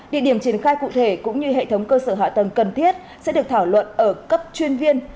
địa điểm triển khai cụ thể cũng như hệ thống cơ sở hạ tầng cần thiết sẽ được thảo luận ở cấp chuyên viên